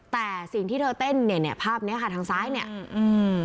แต่สิ่งที่เธอเต้นเนี้ยเนี้ยภาพเนี้ยค่ะทางซ้ายเนี้ยอืม